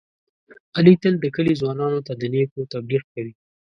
علي تل د کلي ځوانانو ته د نېکو تبلیغ کوي.